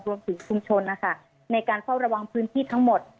รวมถึงชุมชนนะคะในการเฝ้าระวังพื้นที่ทั้งหมด